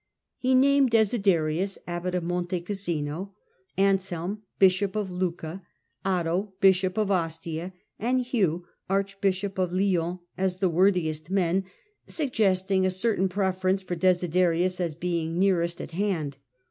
He named Desiderius, abbot of Monte Cassino, Anselm, bishop of Lucca, Otto, bishop of Ostia, and Hugh, arch bishop of Lyons, as the worthiest men, suggesting a certain preference for Desiderius as being nearest at hand.